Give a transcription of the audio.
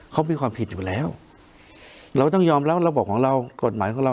เขามีความผิดอยู่แล้วเราต้องยอมรับระบบของเรากฎหมายของเรา